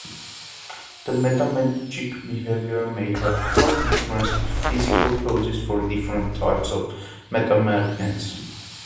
The metamagnetic behavior may have quite different physical causes for different types of metamagnets.